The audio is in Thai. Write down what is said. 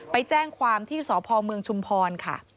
ไปแจ้งความที่สพเมืองชุมพรค่ะ